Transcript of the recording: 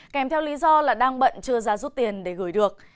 kèm theo lý do là đang bận chưa ra rút tiền để gửi được